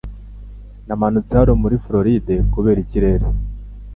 Namanutse hano muri Floride kubera ikirere .